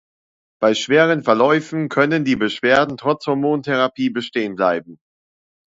Bei schweren Verläufen können die Beschwerden trotz Hormontherapie bestehen bleiben.